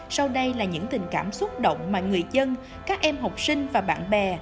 sau đây là những tình cảm xúc động mà người dân các em học sinh và bạn bè